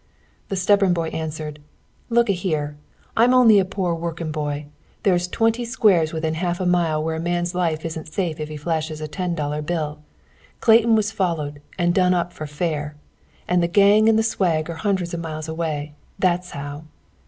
The stubborn boy answered: "Look a here! I'm only a poor working boy! There's twenty squares within a half mile where a man's life isn't safe if he flashes a ten dollar bill. Clayton was followed, and done up for fair. An' the gang an' the swag are hundreds of miles away! That's how!"